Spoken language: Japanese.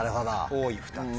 多い２つ。